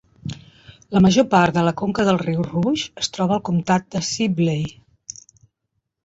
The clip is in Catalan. La major part de la conca del riu Rush es troba al comtat de Sibley.